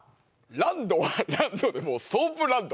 ランドはランドでもソープランド。